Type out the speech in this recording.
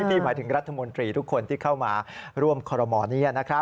พี่หมายถึงรัฐมนตรีทุกคนที่เข้ามาร่วมขอรมอนี้นะครับ